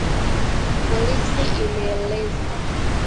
polisi imeeleza